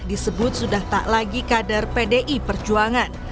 disebut sudah tak lagi kader pdi perjuangan